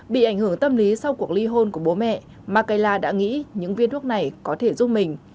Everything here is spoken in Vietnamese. bị ảnh hưởng tâm lý sau cuộc ly hôn của bố mẹ macaula đã nghĩ những viên thuốc này có thể giúp mình